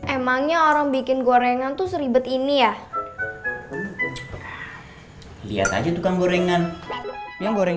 emangnya orang bikin gorengan tuh seribet ini ya lihat aja tukang gorengan yang goreng